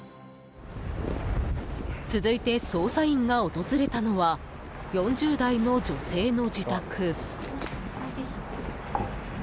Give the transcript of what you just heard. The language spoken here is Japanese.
続いて、捜査員が訪れたのは４０代の女性の自宅。